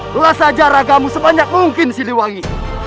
belah sejarahmu sebanyak mungkin siliwangi